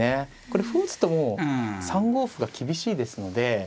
これ歩打つともう３五歩が厳しいですので。